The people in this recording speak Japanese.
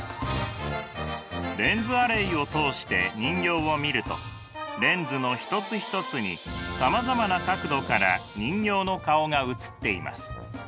レンズアレイを通して人形を見るとレンズの一つ一つにさまざまな角度から人形の顔が映っています。